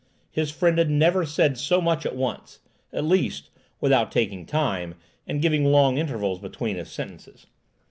His friend had never said so much at once—at least, without taking time, and giving long intervals between his sentences.